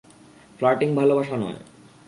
Flirting ভালোবাসা নয়।